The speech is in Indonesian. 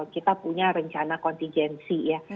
kita punya rencana kontingensi ya